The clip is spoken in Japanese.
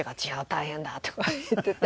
大変だ！」とか言ってて。